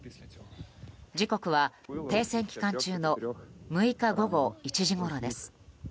時刻は停戦期間中の６日午後１時ごろです。